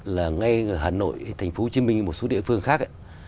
là ngay hà nội thành phố hồ chí minh một số địa phương khác